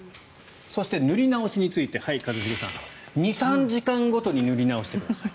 そして、塗り直しについてはい、一茂さん２３時間ごとに塗り直してください。